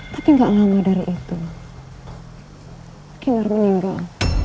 tapi gak lama dari itu kimar meninggal